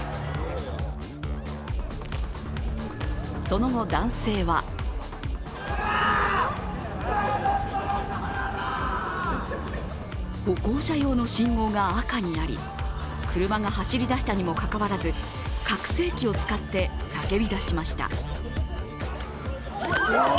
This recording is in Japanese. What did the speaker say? その後、男性は歩行者用の信号が赤になり車が走り出したにもかかわらず拡声器を使って叫び出しました。